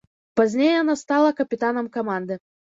Пазней яна стала капітанам каманды.